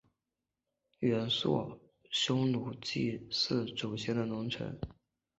元朔匈奴祭祀祖先的龙城。